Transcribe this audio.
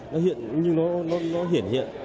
nó hiện như nó hiển hiện